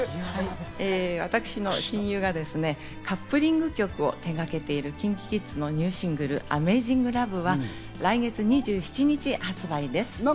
私の親友がカップリング曲を手がけているＫｉｎＫｉＫｉｄｓのニューシングル『ＡｍａｚｉｎｇＬｏｖｅ』は来月２７日発売です。